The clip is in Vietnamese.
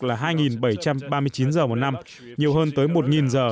là hai bảy trăm ba mươi chín giờ một năm nhiều hơn tới một giờ